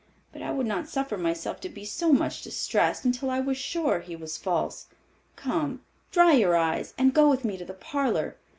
But I would not suffer myself to be so much distressed until I was sure he was false. Come, dry your eyes and go with me to the parlor.